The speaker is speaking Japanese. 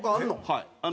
はい。